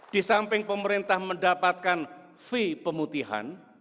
di samping pemerintah mendapatkan fee pemutihan